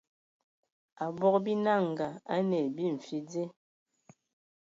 Abog binanga a nə bia ai mfi dze.